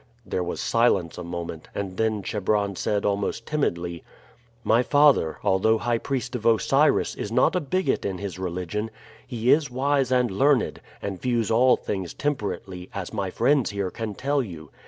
There was silence a moment, and then Chebron said almost timidly: "My father, although high priest of Osiris, is not a bigot in his religion. He is wise and learned, and views all things temperately, as my friends here can tell you.